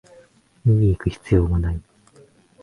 見にいく必要はない